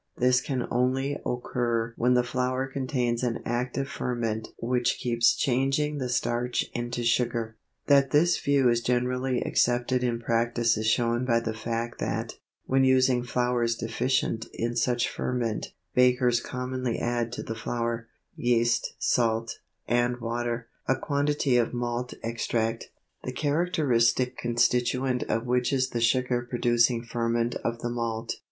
This can only occur when the flour contains an active ferment which keeps changing the starch into sugar. That this view is generally accepted in practice is shown by the fact that, when using flours deficient in such ferment, bakers commonly add to the flour, yeast, salt, and water, a quantity of malt extract, the characteristic constituent of which is the sugar producing ferment of the malt.